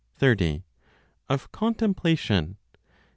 30. Of Contemplation.